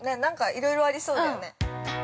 いろいろありそうだよね。